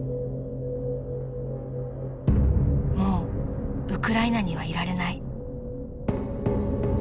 ［もうウクライナにはいられない］